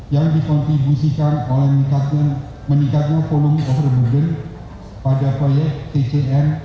dan dikontribusi oleh pemerintah yang memiliki keuntungan yang lebih tinggi